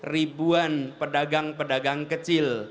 ribuan pedagang pedagang kecil